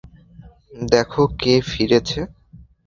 দেখো কে ফিরেছে।